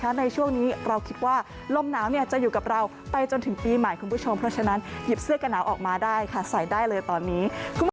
ในช่วงนี้เราคิดว่าลมหนาวจะอยู่กับเราไปจนถึงปีใหม่คุณผู้ชมเพราะฉะนั้นหยิบเสื้อกระหนาวออกมาได้ค่ะใส่ได้เลยตอนนี้